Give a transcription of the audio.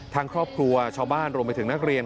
ทั้งครอบครัวชาวบ้านรวมไปถึงนักเรียน